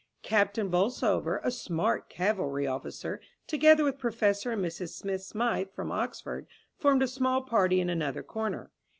Captain Bolsover, a smart cavalry officer, together with Professor and Mrs. Smith Smythe from Oxford, formed a small party in another corner.